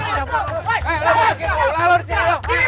terus kayaknya masih ken automatic car bro